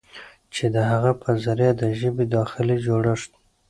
چې د هغه په ذريعه د ژبې داخلي جوړښت